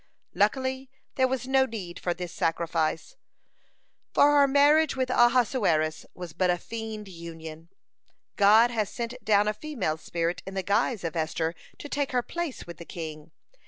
Luckily, there was no need for this sacrifice, for her marriage with Ahasuerus was but a feigned union. God has sent down a female spirit in the guise of Esther to take her place with the king.